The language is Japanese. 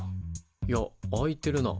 いや空いてるな。